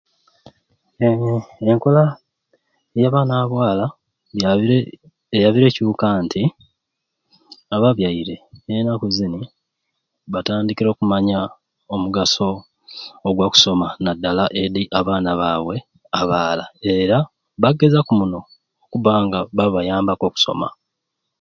Ebo enkola eya baana ba bwala yabire eyabire ekukyuka nti ababyaire ennaku zini batandikire okumanya omugaso ogwa kusoma naddala edi abaana baabwe abaala era bakugezaku muno okubba nga bakubayambaku okusoma.